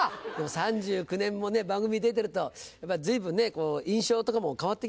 ３９年もね番組出てると随分ね印象とかも変わってきますよね。